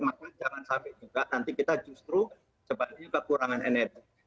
maka jangan sampai juga nanti kita justru sebaliknya kekurangan energi